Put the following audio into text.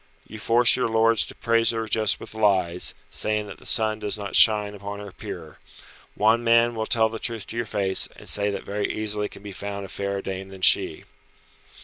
You force your lords to praise her just with lies, saying that the sun does not shine upon her peer. One man will tell the truth to your face, and say that very easily can be found a fairer dame than she."